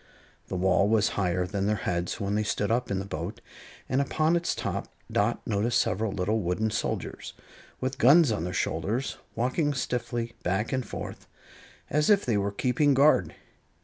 The wall was higher than their heads when they stood up in the boat, and upon its top Dot noticed several little wooden soldiers, with guns on their shoulders, walking stiffly back and forth, as if they were keeping guard.